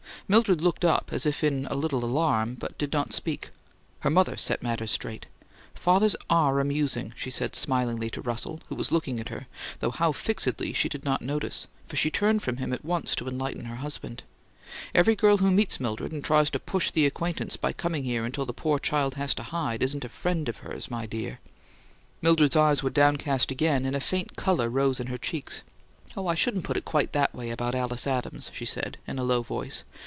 Mildred looked up, as if in a little alarm, but did not speak. Her mother set matters straight. "Fathers ARE amusing," she said smilingly to Russell, who was looking at her, though how fixedly she did not notice; for she turned from him at once to enlighten her husband. "Every girl who meets Mildred, and tries to push the acquaintance by coming here until the poor child has to hide, isn't a FRIEND of hers, my dear!" Mildred's eyes were downcast again, and a faint colour rose in her cheeks. "Oh, I shouldn't put it quite that way about Alice Adams," she said, in a low voice.